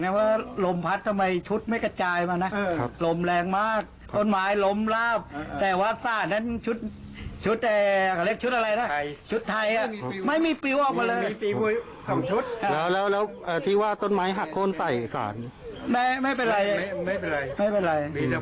ที่ว่าต้นไม้หักโค้นใส่สารไม่ไม่เป็นไรไม่เป็นไรไม่เป็นไรมีแต่ฝากหน้าประตูพรุ่ง